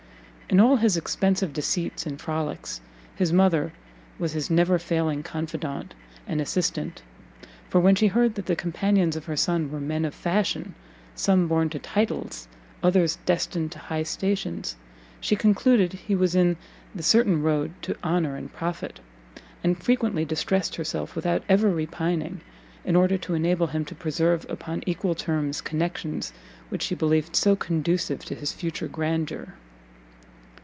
In all his expensive deceits and frolics, his mother was his never failing confidant and assistant; for when she heard that the companions of her son were men of fashion, some born to titles, others destined to high stations, she concluded he was in the certain road to honour and profit, and frequently distressed herself, without ever repining, in order to enable him to preserve upon equal terms, connections which she believed so conducive to his future grandeur.